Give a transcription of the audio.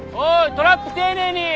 トラップ丁寧に！